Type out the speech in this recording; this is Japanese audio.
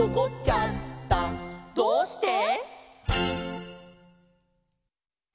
「どうして？」